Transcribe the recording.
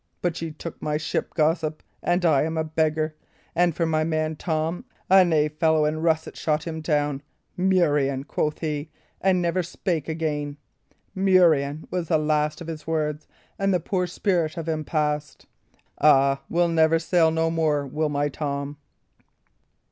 But ye took my ship, gossip, and I'm a beggar; and for my man Tom, a knave fellow in russet shot him down. 'Murrain!' quoth he, and spake never again. 'Murrain' was the last of his words, and the poor spirit of him passed. 'A will never sail no more, will my Tom.'"